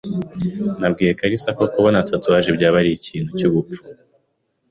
Nabwiye kalisa ko kubona tatouage byaba ari ikintu cyubupfu.